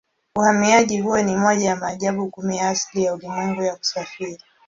Uhamiaji huo ni moja ya maajabu kumi ya asili ya ulimwengu ya kusafiri.